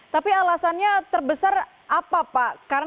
tapi alasannya terbesar apa pak